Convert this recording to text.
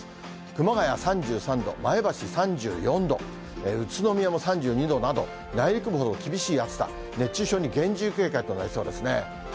熊谷３３度、前橋３４度、宇都宮も３２度など、内陸部ほど厳しい暑さ、熱中症に厳重警戒となりそうですね。